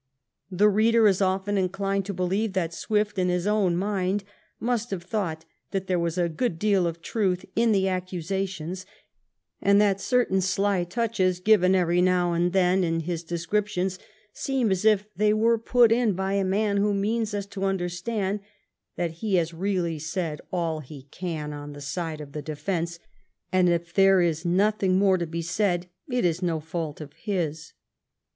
The reader is often inclined to be lieve that Swift, in his own mind, must have thought that there was a good deal of truth in the accusations, and that certain sly touches given every now and then in his descriptions seem as if they were put in by a man who means us to understand that he has really said all he can on the side of the defence, and that if there is nothing more to be said it is no fault of his.